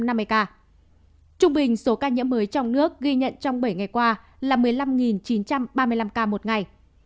trung bình số ca nhiễm mới trong nước ghi nhận trong bảy ngày qua là một mươi năm chín trăm ba mươi năm ca một ngày